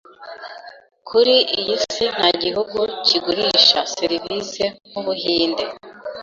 Kuri iy’isi nta gihugu kigurisha serivise nkubuhinde